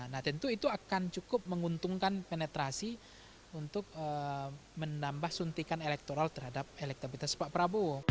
nah tentu itu akan cukup menguntungkan penetrasi untuk menambah suntikan elektoral terhadap elektabilitas pak prabowo